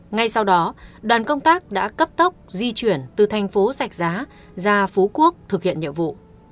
ngay sau đó đoàn công tác đã cấp tốc di chuyển từ thành phố sạch giá ra phú quốc thực hiện nhiệm vụ